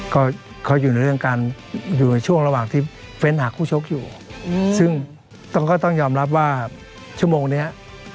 ก็เขาอยู่ในเรื่องการอยู่ในช่วงระหว่างที่เฟ้นหาคู่ชกอยู่ซึ่งต้องก็ต้องยอมรับว่าชั่วโมงเนี้ย